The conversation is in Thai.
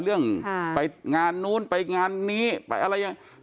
เรื่องไปงานนู้นไปงานนี้ไปอะไรยังไง